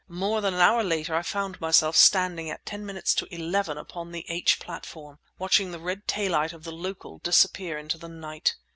More than an hour later I found myself standing at ten minutes to eleven upon the H— platform, watching the red taillight of the "local" disappear into the night.